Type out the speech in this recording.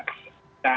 itu apa kerja swasta